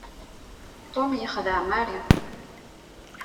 Tom yexdeɛ Mary.